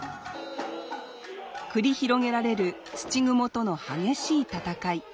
繰り広げられる土蜘との激しい戦い。